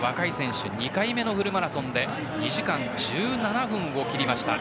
２回目のフルマラソンで２時間１７分を切りました。